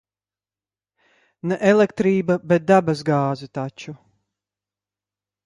Ne elektrība, bet dabas gāze taču.